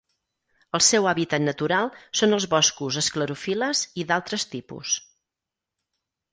El seu hàbitat natural són els boscos esclerofil·les i d'altres tipus.